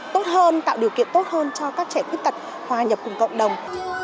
và tạo điều kiện tốt hơn cho các trẻ khuyết tật hòa nhập cùng cộng đồng